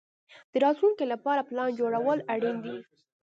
د راتلونکي لپاره پلان جوړول اړین دي.